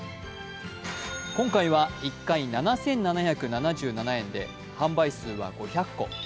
今回は１回７７７７円で、販売数は５００個。